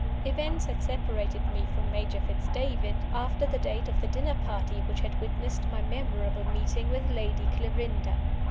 Events had separated me from Major Fitz David, after the date of the dinner party which had witnessed my memorable meeting with Lady Clarinda.